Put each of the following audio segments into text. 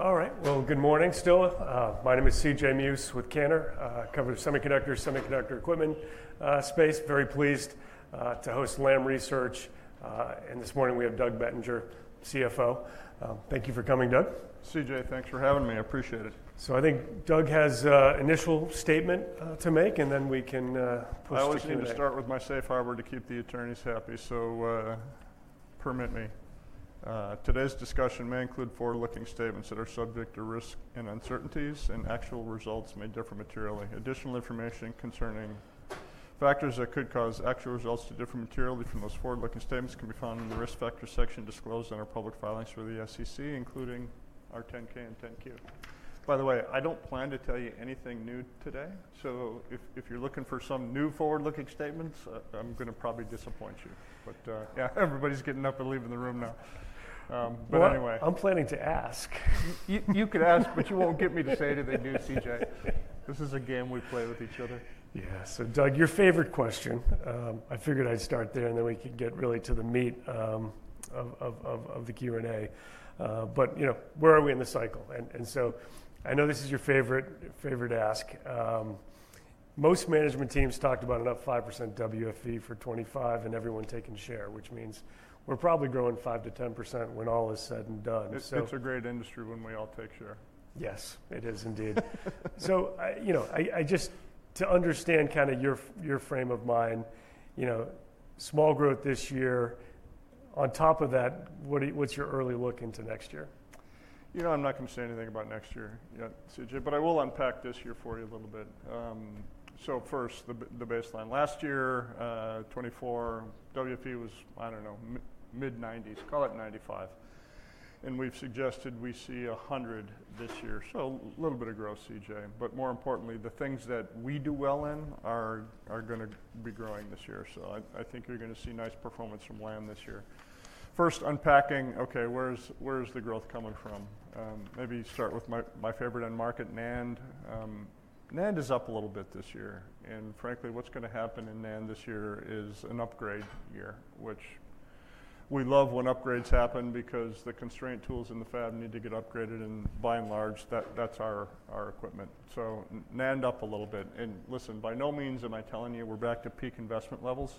All right. Good morning still. My name is C.J. Muse with Cantor, covering semiconductors, semiconductor equipment space. Very pleased to host Lam Research. This morning we have Doug Bettinger, CFO. Thank you for coming, Doug. CJ, thanks for having me. I appreciate it. I think Doug has an initial statement to make, and then we can push this in. I was going to start with my safe harbor to keep the attorneys happy, so permit me. Today's discussion may include forward-looking statements that are subject to risk and uncertainties, and actual results may differ materially. Additional information concerning factors that could cause actual results to differ materially from those forward-looking statements can be found in the risk factor section disclosed in our public filings for the SEC, including our 10-K and 10-Q. By the way, I do not plan to tell you anything new today, so if you are looking for some new forward-looking statements, I am going to probably disappoint you. Yeah, everybody's getting up and leaving the room now. Anyway. I'm planning to ask. You could ask, but you won't get me to say anything new, CJ. This is a game we play with each other. Yeah. Doug, your favorite question. I figured I'd start there, and then we could get really to the meat of the Q&A. Where are we in the cycle? I know this is your favorite ask. Most management teams talked about an up 5% WFE for 2025 and everyone taking share, which means we're probably growing 5%-10% when all is said and done. It's a great industry when we all take share. Yes, it is indeed. Just to understand kind of your frame of mind, small growth this year. On top of that, what's your early look into next year? You know, I'm not going to say anything about next year yet, CJ, but I will unpack this year for you a little bit. First, the baseline. Last year, 2024, WFE was, I don't know, mid-90s. Call it 95. We've suggested we see 100 this year. A little bit of growth, CJ. More importantly, the things that we do well in are going to be growing this year. I think you're going to see nice performance from Lam this year. First, unpacking, okay, where's the growth coming from? Maybe start with my favorite in market, NAND. NAND is up a little bit this year. Frankly, what's going to happen in NAND this year is an upgrade year, which we love when upgrades happen because the constraint tools in the fab need to get upgraded. By and large, that's our equipment. NAND up a little bit. By no means am I telling you we're back to peak investment levels.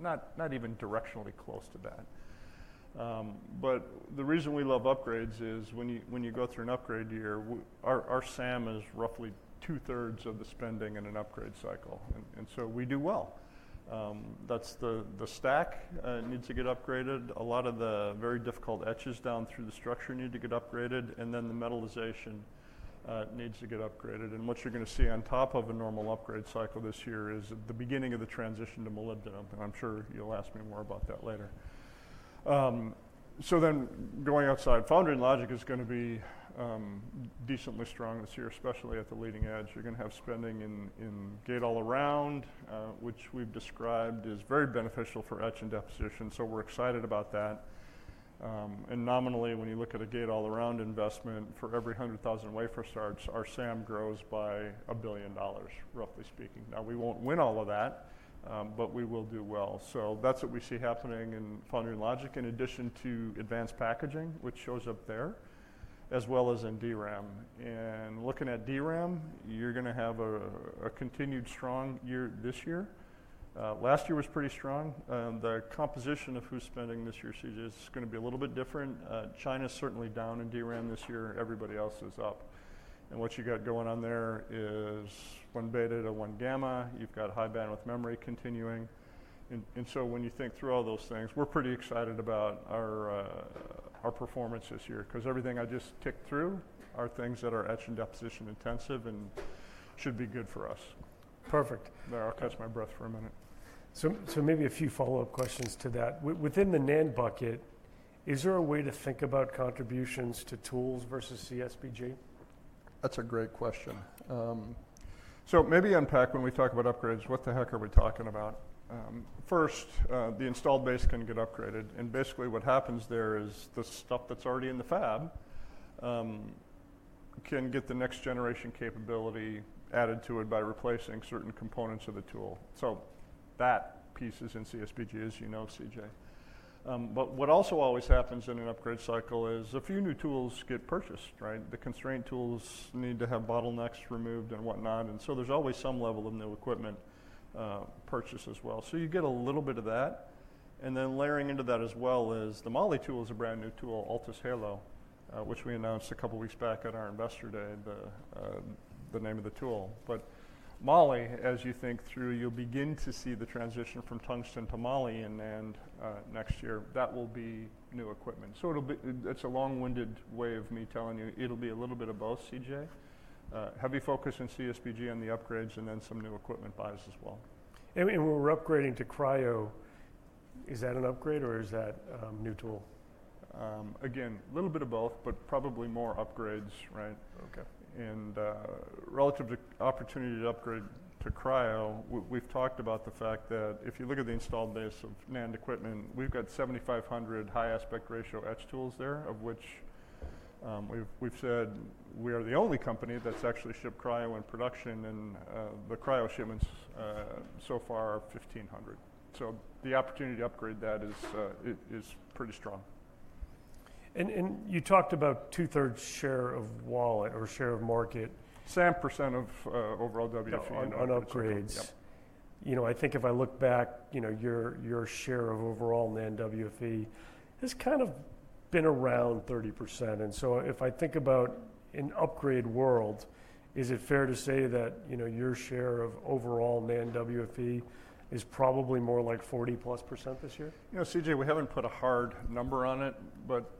Not even directionally close to that. The reason we love upgrades is when you go through an upgrade year, our SAM is roughly two-thirds of the spending in an upgrade cycle. We do well. That's the stack needs to get upgraded. A lot of the very difficult etches down through the structure need to get upgraded. The metalization needs to get upgraded. What you're going to see on top of a normal upgrade cycle this year is the beginning of the transition to molybdenum. I'm sure you'll ask me more about that later. Going outside, foundry and logic is going to be decently strong this year, especially at the leading edge. You're going to have spending in Gate-All-Around, which we've described is very beneficial for etch and deposition. We are excited about that. Nominally, when you look at a Gate-All-Around investment for every 100,000 wafer starts, our SAM grows by $1 billion, roughly speaking. We will not win all of that, but we will do well. That is what we see happening in foundry and logic, in addition to advanced packaging, which shows up there, as well as in DRAM. Looking at DRAM, you are going to have a continued strong year this year. Last year was pretty strong. The composition of who is spending this year, CJ, is going to be a little bit different. China is certainly down in DRAM this year. Everybody else is up. What you have going on there is 1-beta to 1-gamma. You have high bandwidth memory continuing. When you think through all those things, we're pretty excited about our performance this year because everything I just ticked through are things that are etch and deposition intensive and should be good for us. Perfect. That all cuts my breath for a minute. Maybe a few follow-up questions to that. Within the NAND bucket, is there a way to think about contributions to tools versus CSBG? That's a great question. Maybe unpack when we talk about upgrades, what the heck are we talking about? First, the installed base can get upgraded. Basically what happens there is the stuff that's already in the fab can get the next generation capability added to it by replacing certain components of the tool. That piece is in CSBG, as you know, CJ. What also always happens in an upgrade cycle is a few new tools get purchased, right? The constraint tools need to have bottlenecks removed and whatnot. There's always some level of new equipment purchase as well. You get a little bit of that. Layering into that as well is the Moly tool, a brand new tool, Altus Halo, which we announced a couple of weeks back at our investor day, the name of the tool. Moly, as you think through, you'll begin to see the transition from tungsten to Moly in NAND next year. That will be new equipment. It's a long-winded way of me telling you. It'll be a little bit of both, CJ. Heavy focus in CSBG on the upgrades and then some new equipment buys as well. When we're upgrading to Cryo, is that an upgrade or is that a new tool? Again, a little bit of both, but probably more upgrades, right? Relative to opportunity to upgrade to Cryo, we've talked about the fact that if you look at the installed base of NAND equipment, we've got 7,500 high aspect ratio etch tools there, of which we've said we are the only company that's actually shipped Cryo in production. The Cryo shipments so far are 1,500. The opportunity to upgrade that is pretty strong. You talked about two-thirds share of wallet or share of market? SAM percent of overall WFE. Of upgrades. Yep. You know, I think if I look back, your share of overall NAND WFE has kind of been around 30%. And so if I think about an upgrade world, is it fair to say that your share of overall NAND WFE is probably more like 40-plus % this year? You know, CJ, we haven't put a hard number on it, but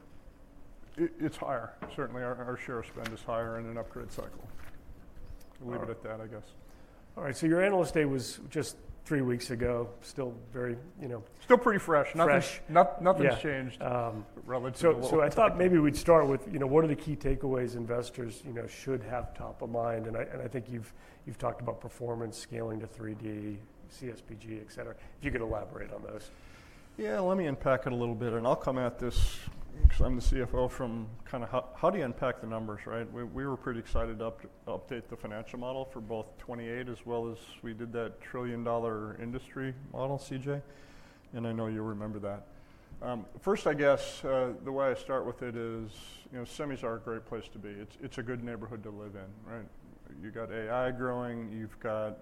it's higher. Certainly, our share of spend is higher in an upgrade cycle. Leave it at that, I guess. All right. Your analyst day was just three weeks ago. Still very. Still pretty fresh. Fresh. Nothing's changed relatively to last year. I thought maybe we'd start with what are the key takeaways investors should have top of mind? I think you've talked about performance, scaling to 3D, CSBG, etc. If you could elaborate on those. Yeah, let me unpack it a little bit. I'll come at this because I'm the CFO from kind of how do you unpack the numbers, right? We were pretty excited to update the financial model for both 2028 as well as we did that trillion-dollar industry model, CJ. I know you'll remember that. First, I guess the way I start with it is semis are a great place to be. It's a good neighborhood to live in, right? You've got AI growing. You've got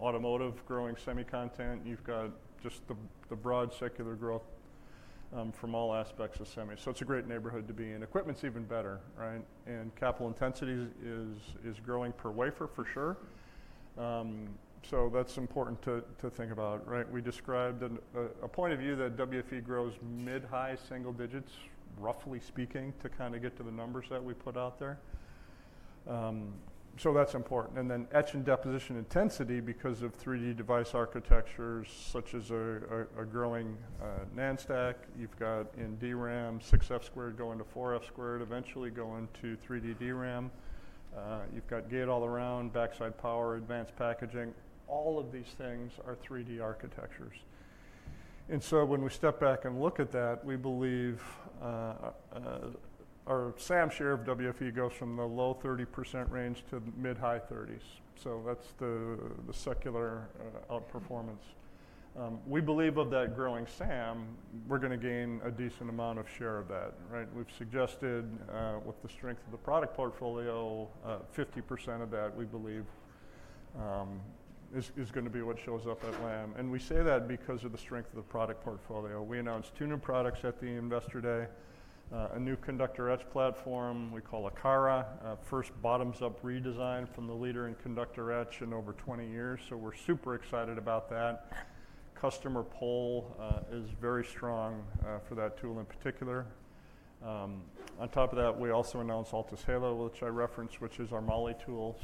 automotive growing semi content. You've got just the broad secular growth from all aspects of semi. It's a great neighborhood to be in. Equipment's even better, right? Capital intensity is growing per wafer for sure. That's important to think about, right? We described a point of view that WFE grows mid-high single digits, roughly speaking, to kind of get to the numbers that we put out there. That's important. Etch and deposition intensity because of 3D device architectures such as a growing NAND stack. You've got in DRAM, 6F squared going to 4F squared, eventually going to 3D DRAM. You've got gate all around, backside power, advanced packaging. All of these things are 3D architectures. When we step back and look at that, we believe our SAM share of WFE goes from the low 30% range to mid-high 30s. That's the secular outperformance. We believe of that growing SAM, we're going to gain a decent amount of share of that, right? We've suggested with the strength of the product portfolio, 50% of that we believe is going to be what shows up at Lam. We say that because of the strength of the product portfolio. We announced two new products at the investor day, a new conductor etch platform we call Akara, first bottoms-up redesign from the leader in conductor etch in over 20 years. We are super excited about that. Customer pull is very strong for that tool in particular. On top of that, we also announced Altus Halo, which I referenced, which is our MOLLE tool.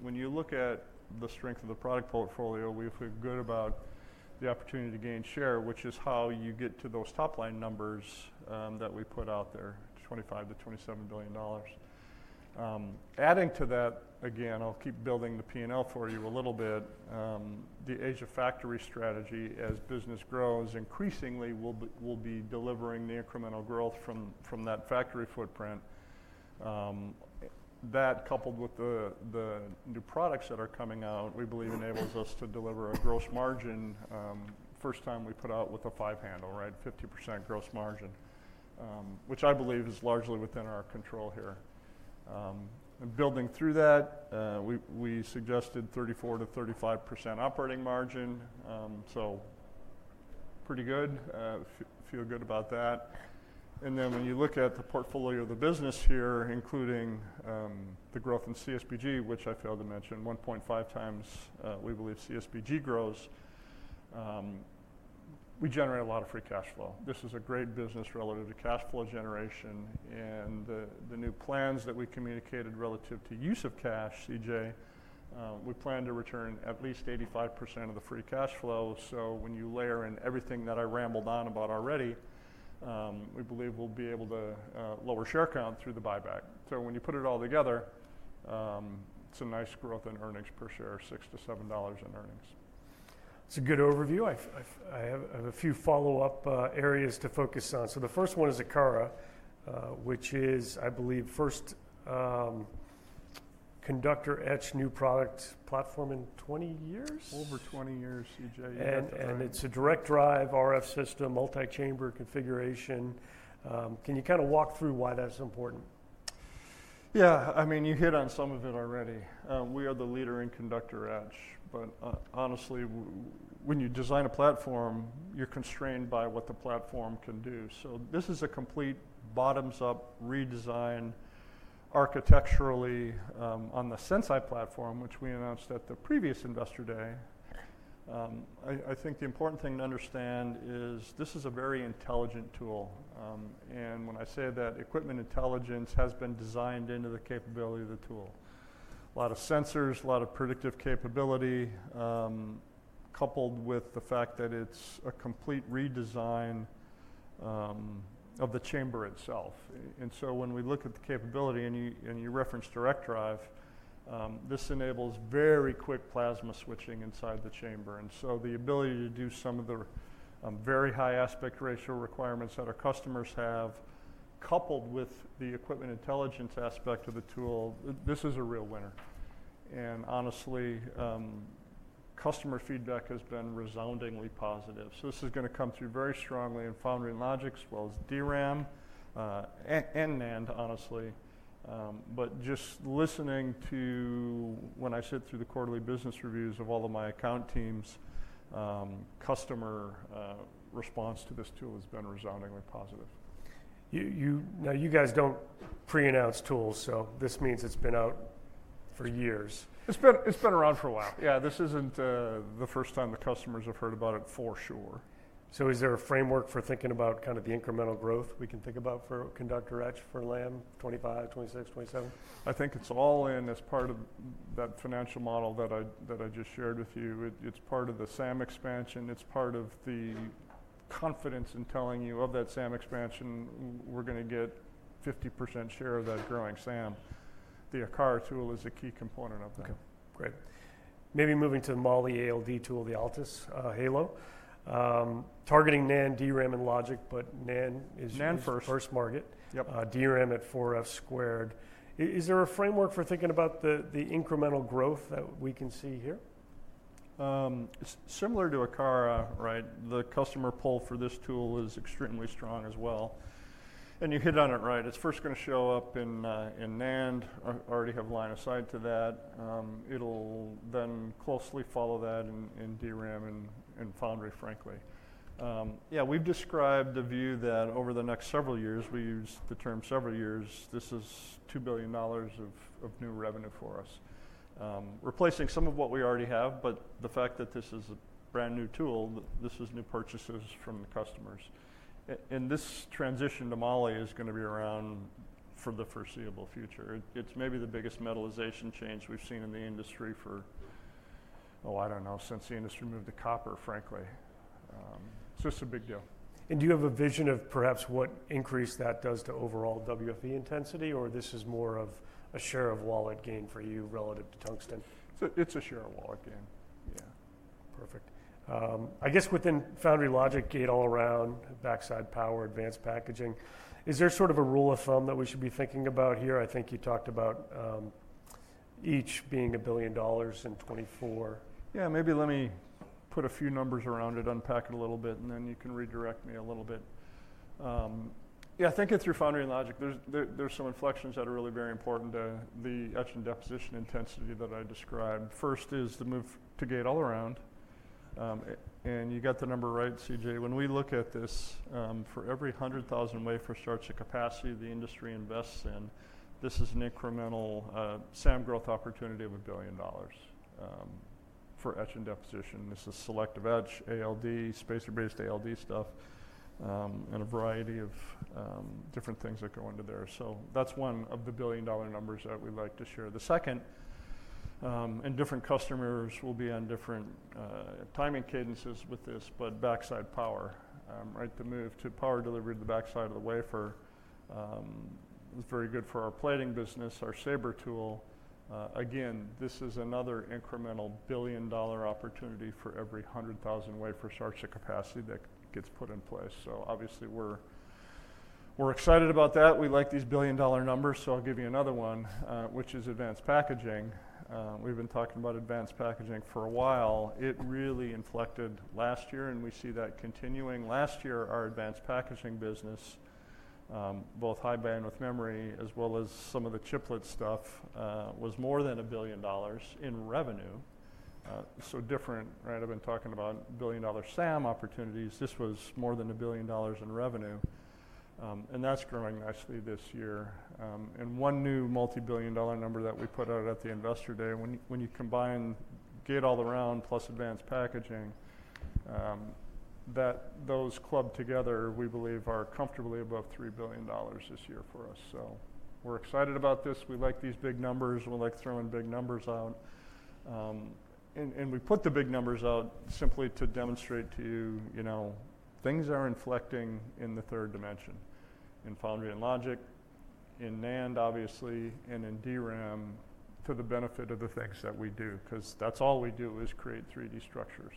When you look at the strength of the product portfolio, we feel good about the opportunity to gain share, which is how you get to those top-line numbers that we put out there, $25 billion-$27 billion. Adding to that, again, I will keep building the P&L for you a little bit. The Asia factory strategy, as business grows increasingly, will be delivering the incremental growth from that factory footprint. That, coupled with the new products that are coming out, we believe enables us to deliver a gross margin. First time we put out with a five handle, right? 50% gross margin, which I believe is largely within our control here. Building through that, we suggested 34-35% operating margin. Pretty good. Feel good about that. When you look at the portfolio of the business here, including the growth in CSBG, which I failed to mention, 1.5 times we believe CSBG grows, we generate a lot of free cash flow. This is a great business relative to cash flow generation. The new plans that we communicated relative to use of cash, CJ, we plan to return at least 85% of the free cash flow. When you layer in everything that I rambled on about already, we believe we'll be able to lower share count through the buyback. When you put it all together, it's a nice growth in earnings per share, $6-$7 in earnings. It's a good overview. I have a few follow-up areas to focus on. The first one is Akara, which is, I believe, first conductor etch new product platform in 20 years. Over 20 years, CJ. It's a direct drive RF system, multi-chamber configuration. Can you kind of walk through why that's important? Yeah. I mean, you hit on some of it already. We are the leader in conductor etch. Honestly, when you design a platform, you're constrained by what the platform can do. This is a complete bottoms-up redesign architecturally on the Sense.i platform, which we announced at the previous investor day. I think the important thing to understand is this is a very intelligent tool. When I say that, equipment intelligence has been designed into the capability of the tool. A lot of sensors, a lot of predictive capability, coupled with the fact that it's a complete redesign of the chamber itself. When we look at the capability and you reference direct drive, this enables very quick plasma switching inside the chamber. The ability to do some of the very high aspect ratio requirements that our customers have, coupled with the equipment intelligence aspect of the tool, this is a real winner. Honestly, customer feedback has been resoundingly positive. This is going to come through very strongly in foundry and logic, as well as DRAM and NAND, honestly. Just listening to when I sit through the quarterly business reviews of all of my account teams, customer response to this tool has been resoundingly positive. Now, you guys don't pre-announce tools, so this means it's been out for years. It's been around for a while. Yeah. This isn't the first time the customers have heard about it for sure. Is there a framework for thinking about kind of the incremental growth we can think about for conductor etch for Lam 2025, 2026, 2027? I think it's all in as part of that financial model that I just shared with you. It's part of the SAM expansion. It's part of the confidence in telling you of that SAM expansion, we're going to get 50% share of that growing SAM. The Akara tool is a key component of that. Okay. Great. Maybe moving to the MOLLE ALD tool, the Altus Halo, targeting NAND, DRAM, and logic, but NAND is your first market. Yep. DRAM at 4F squared. Is there a framework for thinking about the incremental growth that we can see here? Similar to Akara, right? The customer pull for this tool is extremely strong as well. You hit on it right. It is first going to show up in NAND. I already have line of sight to that. It will then closely follow that in DRAM and foundry, frankly. Yeah, we have described a view that over the next several years, we use the term several years, this is $2 billion of new revenue for us, replacing some of what we already have. The fact that this is a brand new tool, this is new purchases from customers. This transition to MOLLE is going to be around for the foreseeable future. It is maybe the biggest metalization change we have seen in the industry for, oh, I do not know, since the industry moved to copper, frankly. It is a big deal. Do you have a vision of perhaps what increase that does to overall WFE intensity? Or this is more of a share of wallet gain for you relative to Tungsten? It's a share of wallet gain. Yeah. Perfect. I guess within foundry logic, gate all around, backside power, advanced packaging, is there sort of a rule of thumb that we should be thinking about here? I think you talked about each being a billion dollars in 2024. Yeah. Maybe let me put a few numbers around it, unpack it a little bit, and then you can redirect me a little bit. Yeah, I think it's through foundry and logic. There's some inflections that are really very important to the etch and deposition intensity that I described. First is the move to gate all around. And you got the number right, CJ. When we look at this, for every 100,000 wafer starts of capacity the industry invests in, this is an incremental SAM growth opportunity of $1 billion for etch and deposition. This is selective etch, ALD, spacer-based ALD stuff, and a variety of different things that go into there. That's one of the billion-dollar numbers that we'd like to share. The second, and different customers will be on different timing cadences with this, but backside power, right? The move to power delivery to the backside of the wafer is very good for our plating business, our Sabre tool. Again, this is another incremental billion-dollar opportunity for every 100,000 wafer starts of capacity that gets put in place. Obviously, we're excited about that. We like these billion-dollar numbers. I'll give you another one, which is advanced packaging. We've been talking about advanced packaging for a while. It really inflected last year, and we see that continuing. Last year, our advanced packaging business, both high bandwidth memory as well as some of the chiplet stuff, was more than $1 billion in revenue. Different, right? I've been talking about billion-dollar SAM opportunities. This was more than $1 billion in revenue. That's growing nicely this year. One new multi-billion dollar number that we put out at the investor day, when you combine gate all around plus advanced packaging, that those club together, we believe, are comfortably above $3 billion this year for us. We are excited about this. We like these big numbers. We like throwing big numbers out. We put the big numbers out simply to demonstrate to you things are inflecting in the third dimension in foundry and logic, in NAND, obviously, and in DRAM to the benefit of the things that we do because that's all we do is create 3D structures.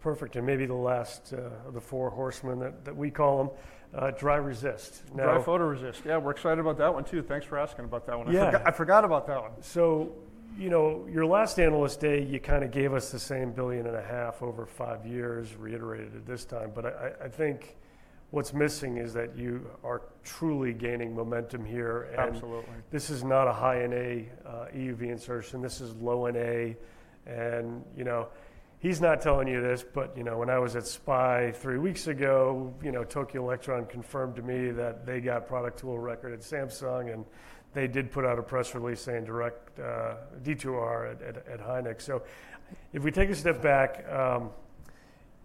Perfect. Maybe the last of the four horsemen that we call them, Dry Resist. Dry photoresist. Yeah, we're excited about that one too. Thanks for asking about that one. I forgot about that one. At your last analyst day, you kind of gave us the same $1.5 billion over five years, reiterated it this time. I think what's missing is that you are truly gaining momentum here. Absolutely. This is not a high NA EUV insertion. This is low NA. He's not telling you this, but when I was at SPIE three weeks ago, Tokyo Electron confirmed to me that they got product tool record at Samsung. They did put out a press release saying direct DR at Hynix. If we take a step back,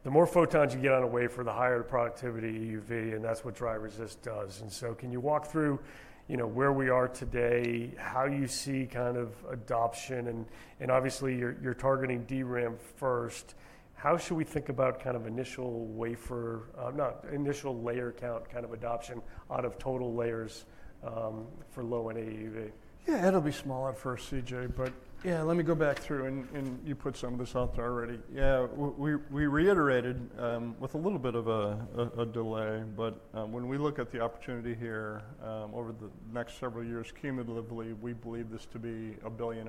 the more photons you get on a wafer, the higher the productivity EUV, and that's what dry resist does. Can you walk through where we are today, how you see kind of adoption? Obviously, you're targeting DRAM first. How should we think about kind of initial wafer, not initial layer count kind of adoption out of total layers for low NA EUV? Yeah, it'll be small at first, CJ, but yeah, let me go back through and you put some of this out there already. Yeah, we reiterated with a little bit of a delay. When we look at the opportunity here over the next several years, cumulatively, we believe this to be a $1.5 billion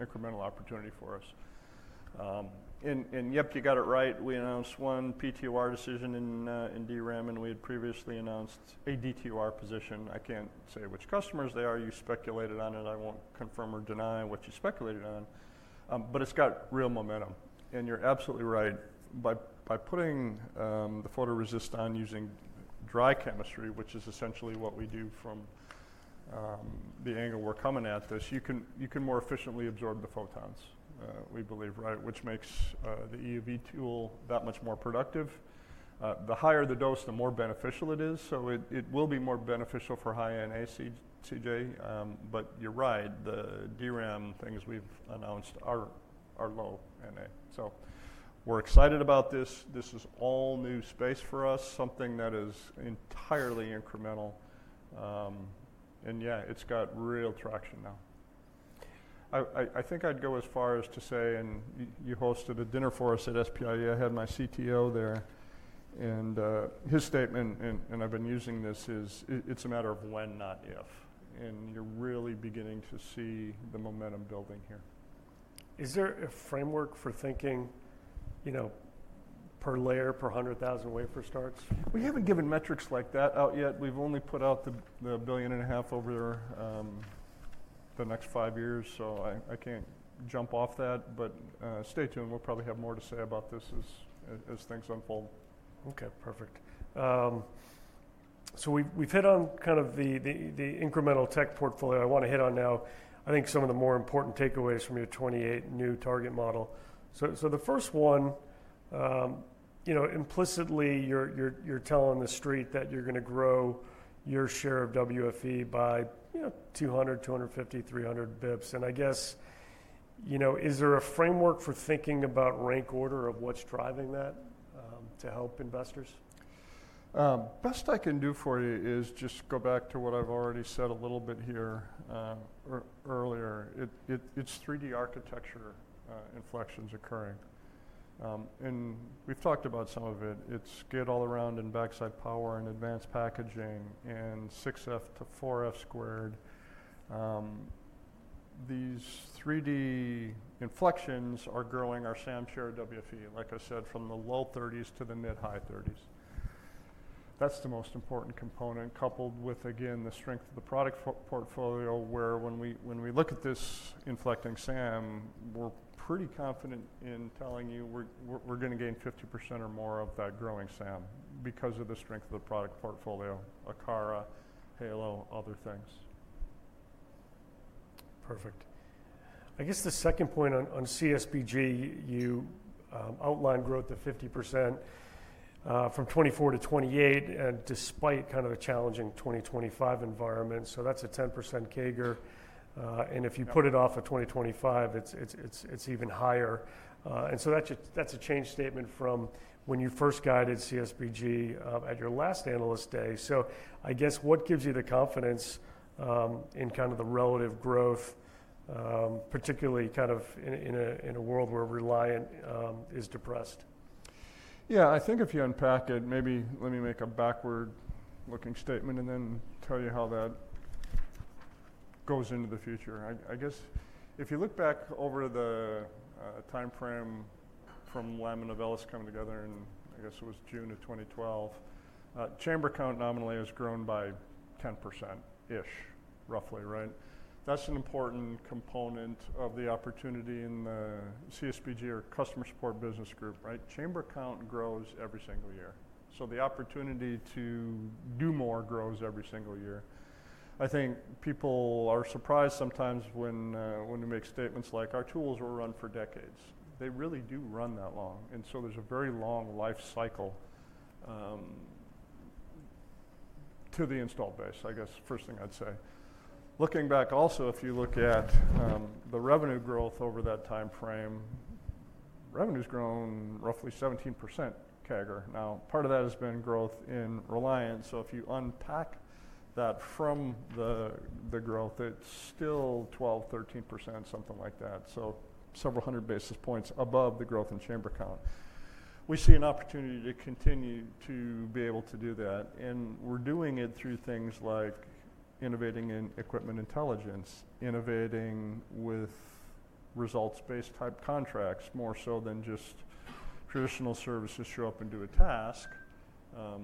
incremental opportunity for us. Yep, you got it right. We announced one PTOR decision in DRAM, and we had previously announced a DTOR position. I can't say which customers they are. You speculated on it. I won't confirm or deny what you speculated on. It's got real momentum. You're absolutely right. By putting the photoresist on using dry chemistry, which is essentially what we do from the angle we're coming at this, you can more efficiently absorb the photons, we believe, right? Which makes the EUV tool that much more productive. The higher the dose, the more beneficial it is. It will be more beneficial for high NA, CJ. You're right. The DRAM things we've announced are low NA. We're excited about this. This is all new space for us, something that is entirely incremental. Yeah, it's got real traction now. I think I'd go as far as to say, you hosted a dinner for us at SPIE. I had my CTO there. His statement, and I've been using this, is it's a matter of when, not if. You're really beginning to see the momentum building here. Is there a framework for thinking per layer, per 100,000 wafer starts? We have not given metrics like that out yet. We have only put out the $1.5 billion over the next five years. I cannot jump off that. Stay tuned. We will probably have more to say about this as things unfold. Okay. Perfect. We have hit on kind of the incremental tech portfolio I want to hit on now. I think some of the more important takeaways from your 2028 new target model. The first one, implicitly, you are telling the street that you are going to grow your share of WFE by 200, 250, 300 basis points. I guess, is there a framework for thinking about rank order of what is driving that to help investors? Best I can do for you is just go back to what I've already said a little bit here earlier. It's 3D architecture inflections occurring. And we've talked about some of it. It's gate all around and backside power and advanced packaging and 6F to 4F squared. These 3D inflections are growing our SAM share of WFE, like I said, from the low 30s to the mid-high 30s. That's the most important component, coupled with, again, the strength of the product portfolio, where when we look at this inflecting SAM, we're pretty confident in telling you we're going to gain 50% or more of that growing SAM because of the strength of the product portfolio, Akara, Halo, other things. Perfect. I guess the second point on CSBG, you outlined growth of 50% from 2024 to 2028, despite kind of a challenging 2025 environment. That is a 10% CAGR. If you put it off of 2025, it is even higher. That is a change statement from when you first guided CSBG at your last analyst day. I guess, what gives you the confidence in kind of the relative growth, particularly kind of in a world where Reliant is depressed? Yeah. I think if you unpack it, maybe let me make a backward-looking statement and then tell you how that goes into the future. I guess if you look back over the timeframe from Lam and Novellus coming together, and I guess it was June of 2012, chamber count nominally has grown by 10%-ish, roughly, right? That's an important component of the opportunity in the CSBG or customer support business group, right? Chamber count grows every single year. The opportunity to do more grows every single year. I think people are surprised sometimes when we make statements like, "Our tools will run for decades." They really do run that long. There is a very long life cycle to the installed base, I guess, first thing I'd say. Looking back also, if you look at the revenue growth over that timeframe, revenue's grown roughly 17% CAGR. Now, part of that has been growth in Reliant. If you unpack that from the growth, it's still 12-13%, something like that. Several hundred basis points above the growth in chamber count. We see an opportunity to continue to be able to do that. We're doing it through things like innovating in equipment intelligence, innovating with results-based type contracts more so than just traditional services show up and do a task.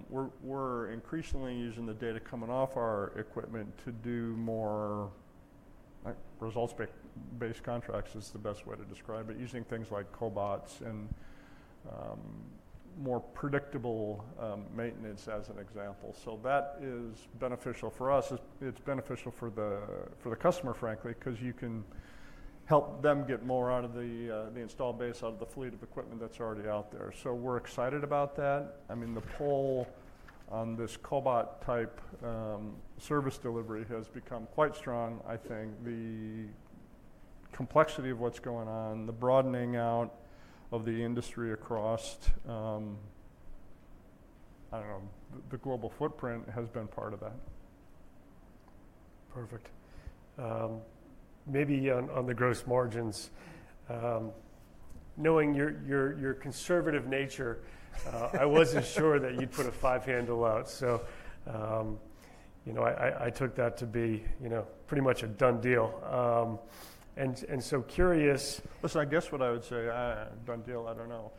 We're increasingly using the data coming off our equipment to do more results-based contracts is the best way to describe it, using things like cobots and more predictable maintenance as an example. That is beneficial for us. It's beneficial for the customer, frankly, because you can help them get more out of the install base, out of the fleet of equipment that's already out there. We're excited about that. I mean, the pull on this cobot type service delivery has become quite strong, I think. The complexity of what's going on, the broadening out of the industry across, I don't know, the global footprint has been part of that. Perfect. Maybe on the gross margins, knowing your conservative nature, I was not sure that you'd put a five-handle out. I took that to be pretty much a done deal. I am curious. Listen, I guess what I would say, done deal, I do not know.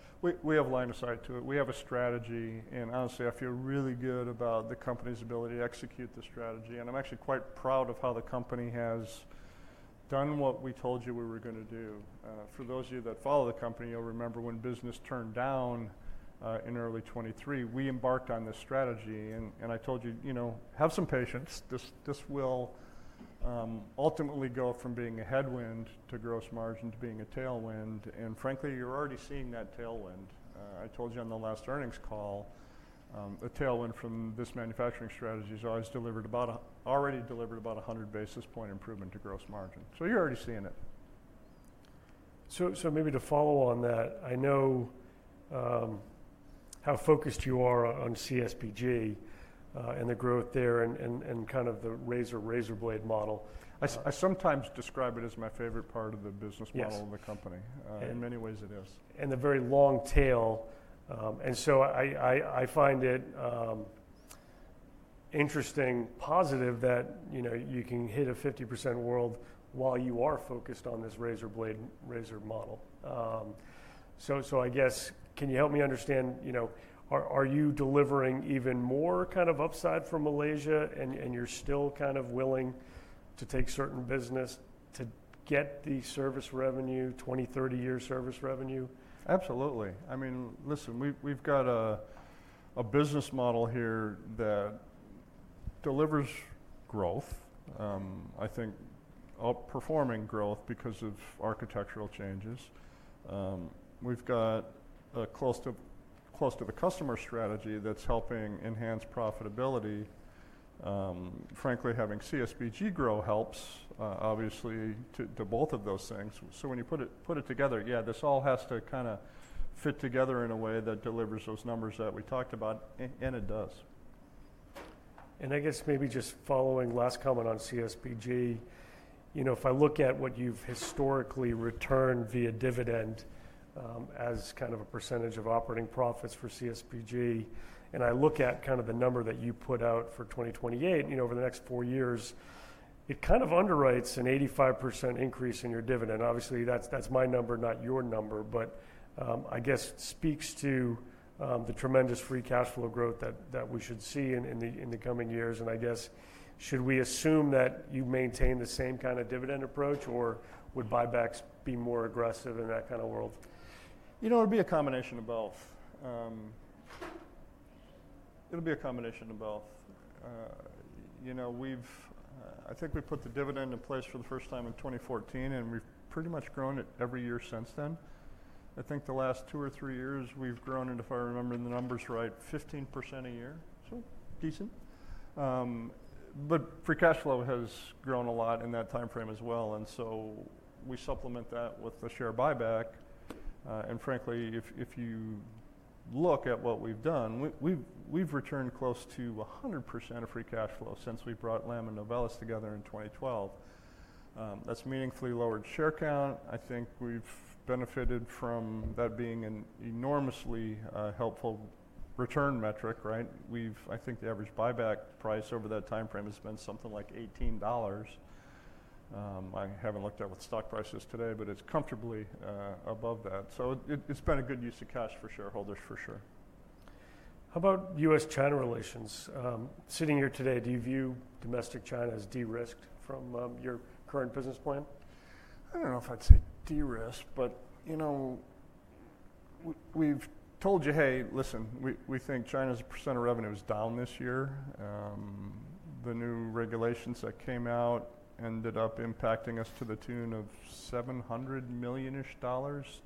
We have line of sight to it. We have a strategy. Honestly, I feel really good about the company's ability to execute the strategy. I am actually quite proud of how the company has done what we told you we were going to do. For those of you that follow the company, you will remember when business turned down in early 2023, we embarked on this strategy. I told you, have some patience. This will ultimately go from being a headwind to gross margin to being a tailwind. Frankly, you are already seeing that tailwind. I told you on the last earnings call, a tailwind from this manufacturing strategy has already delivered about 100 basis point improvement to gross margin. You are already seeing it. Maybe to follow on that, I know how focused you are on CSBG and the growth there and kind of the razor-blade model. I sometimes describe it as my favorite part of the business model of the company. In many ways, it is. The very long tail. I find it interesting, positive that you can hit a 50% world while you are focused on this razor-blade razor model. I guess, can you help me understand, are you delivering even more kind of upside for Malaysia and you're still kind of willing to take certain business to get the service revenue, 20-30 year service revenue? Absolutely. I mean, listen, we've got a business model here that delivers growth, I think, outperforming growth because of architectural changes. We've got close to the customer strategy that's helping enhance profitability. Frankly, having CSBG grow helps, obviously, to both of those things. When you put it together, yeah, this all has to kind of fit together in a way that delivers those numbers that we talked about, and it does. I guess maybe just following last comment on CSBG, if I look at what you've historically returned via dividend as kind of a percentage of operating profits for CSBG, and I look at kind of the number that you put out for 2028, over the next four years, it kind of underwrites an 85% increase in your dividend. Obviously, that's my number, not your number, but I guess speaks to the tremendous free cash flow growth that we should see in the coming years. I guess, should we assume that you maintain the same kind of dividend approach, or would buybacks be more aggressive in that kind of world? You know, it'll be a combination of both. It'll be a combination of both. I think we put the dividend in place for the first time in 2014, and we've pretty much grown it every year since then. I think the last two or three years, we've grown it, if I remember the numbers right, 15% a year. Decent. Free cash flow has grown a lot in that timeframe as well. We supplement that with the share buyback. Frankly, if you look at what we've done, we've returned close to 100% of free cash flow since we brought Lam and Novellus together in 2012. That's meaningfully lowered share count. I think we've benefited from that being an enormously helpful return metric, right? I think the average buyback price over that timeframe has been something like $18. I haven't looked at what stock price is today, but it's comfortably above that. It's been a good use of cash for shareholders, for sure. How about U.S.-China relations? Sitting here today, do you view domestic China as de-risked from your current business plan? I don't know if I'd say de-risked, but we've told you, hey, listen, we think China's % of revenue is down this year. The new regulations that came out ended up impacting us to the tune of $700 million-ish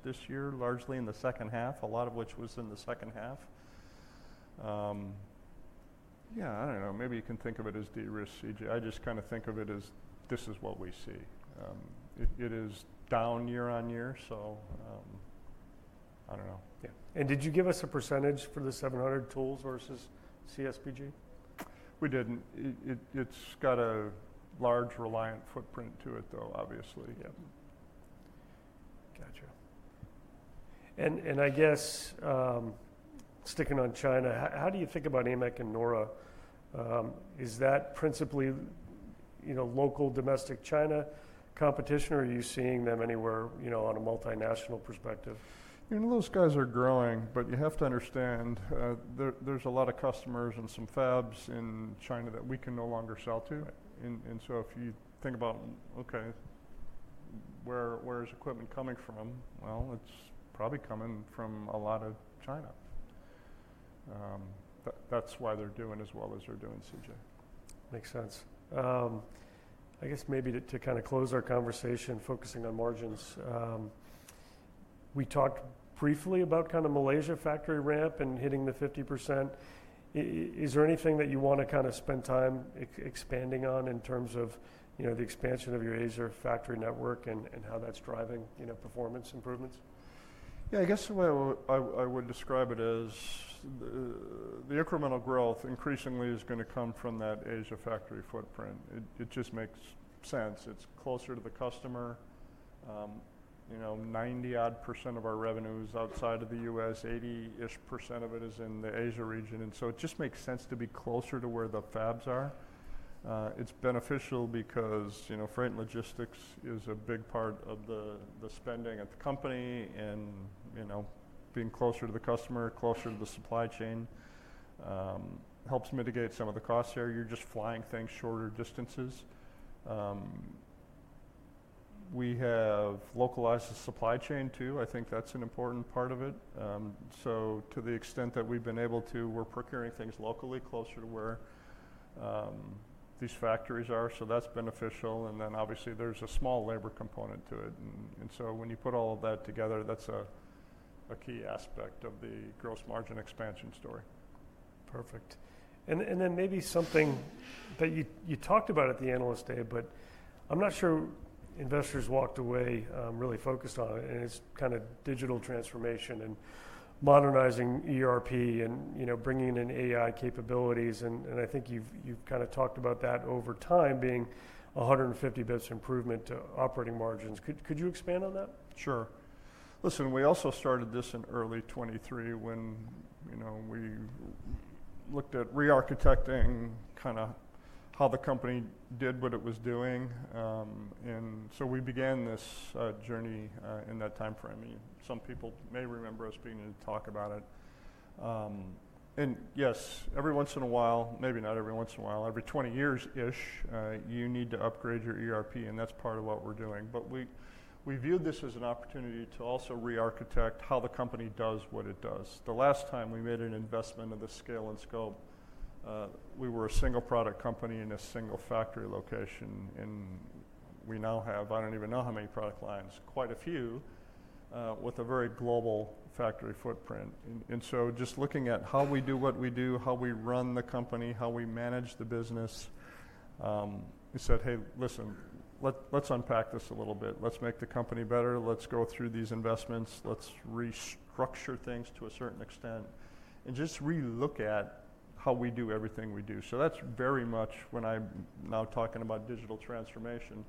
this year, largely in the second half, a lot of which was in the second half. Yeah, I don't know. Maybe you can think of it as de-risked, CJ. I just kind of think of it as this is what we see. It is down year on year. So I don't know. Yeah. Did you give us a percentage for the 700 tools versus CSBG? We didn't. It's got a large reliant footprint to it, though, obviously. Yeah. Gotcha. I guess, sticking on China, how do you think about AMEC and Naura? Is that principally local domestic China competition, or are you seeing them anywhere on a multinational perspective? You know, those guys are growing, but you have to understand there's a lot of customers and some fabs in China that we can no longer sell to. And so if you think about, okay, where is equipment coming from? Well, it's probably coming from a lot of China. That's why they're doing as well as they're doing, CJ. Makes sense. I guess maybe to kind of close our conversation, focusing on margins, we talked briefly about kind of Malaysia factory ramp and hitting the 50%. Is there anything that you want to kind of spend time expanding on in terms of the expansion of your Asia factory network and how that's driving performance improvements? Yeah. I guess I would describe it as the incremental growth increasingly is going to come from that Asia factory footprint. It just makes sense. It's closer to the customer. Ninety-odd percent of our revenue is outside of the U.S. Eighty-ish percent of it is in the Asia region. It just makes sense to be closer to where the fabs are. It's beneficial because freight and logistics is a big part of the spending at the company. Being closer to the customer, closer to the supply chain, helps mitigate some of the costs here. You're just flying things shorter distances. We have localized the supply chain too. I think that's an important part of it. To the extent that we've been able to, we're procuring things locally closer to where these factories are. That's beneficial. Obviously, there's a small labor component to it. When you put all of that together, that's a key aspect of the gross margin expansion story. Perfect. Maybe something that you talked about at the analyst day, but I'm not sure investors walked away really focused on it. It's kind of digital transformation and modernizing ERP and bringing in AI capabilities. I think you've kind of talked about that over time being 150 basis points improvement to operating margins. Could you expand on that? Sure. Listen, we also started this in early 2023 when we looked at re-architecting kind of how the company did what it was doing. We began this journey in that timeframe. Some people may remember us being in a talk about it. Yes, every once in a while, maybe not every once in a while, every 20 years-ish, you need to upgrade your ERP. That is part of what we are doing. We viewed this as an opportunity to also re-architect how the company does what it does. The last time we made an investment of the scale and scope, we were a single product company in a single factory location. We now have, I do not even know how many product lines, quite a few with a very global factory footprint. Just looking at how we do what we do, how we run the company, how we manage the business, we said, "Hey, listen, let's unpack this a little bit. Let's make the company better. Let's go through these investments. Let's restructure things to a certain extent and just re-look at how we do everything we do." That is very much when I am now talking about digital transformation.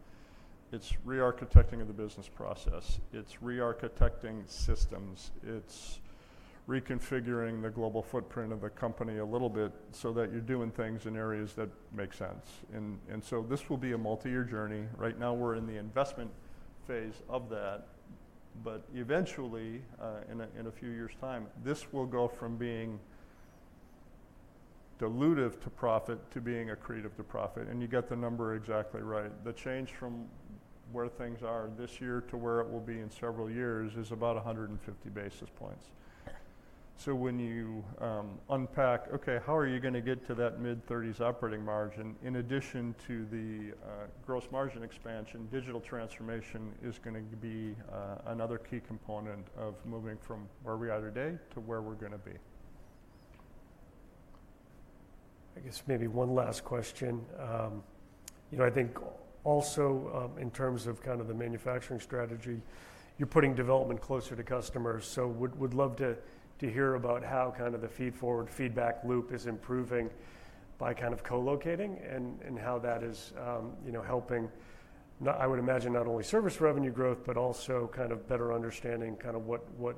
It is re-architecting of the business process. It is re-architecting systems. It is reconfiguring the global footprint of the company a little bit so that you are doing things in areas that make sense. This will be a multi-year journey. Right now, we are in the investment phase of that. Eventually, in a few years' time, this will go from being dilutive to profit to being accretive to profit. You get the number exactly right. The change from where things are this year to where it will be in several years is about 150 basis points. When you unpack, okay, how are you going to get to that mid-30s operating margin? In addition to the gross margin expansion, digital transformation is going to be another key component of moving from where we are today to where we're going to be. I guess mayb`e one last question. I think also in terms of kind of the manufacturing strategy, you're putting development closer to customers. Would love to hear about how kind of the feedforward feedback loop is improving by kind of co-locating and how that is helping, I would imagine, not only service revenue growth, but also kind of better understanding kind of what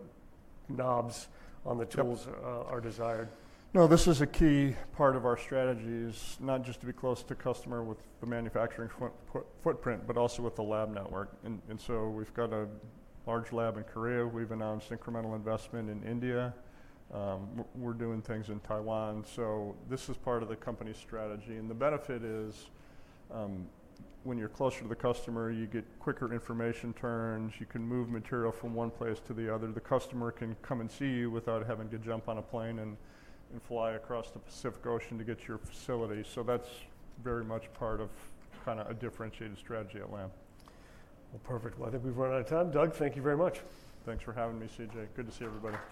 knobs on the tools are desired? No, this is a key part of our strategies, not just to be close to customer with the manufacturing footprint, but also with the lab network. We've got a large lab in Korea. We've announced incremental investment in India. We're doing things in Taiwan. This is part of the company's strategy. The benefit is when you're closer to the customer, you get quicker information turns. You can move material from one place to the other. The customer can come and see you without having to jump on a plane and fly across the Pacific Ocean to get to your facility. That's very much part of kind of a differentiated strategy at Lam. I think we've run out of time. Douglas, thank you very much. Thanks for having me, CJ. Good to see everybody.